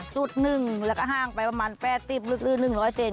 จุดหนึ่งแล้วก็ห้างไปประมาณ๘๐๑๐๐เซนติเซน